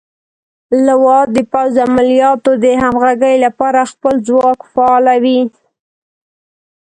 لوا د پوځ د عملیاتو د همغږۍ لپاره خپل ځواک فعالوي.